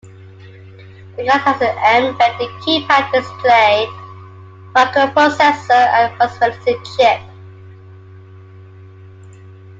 The card has an embedded keypad, display, microprocessor and proximity chip.